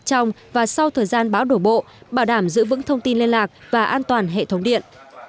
trong và sau thời gian bão đổ bộ bảo đảm giữ vững thông tin liên lạc và an toàn hệ thống điện